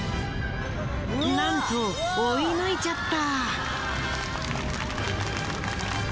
なんと追い抜いちゃった！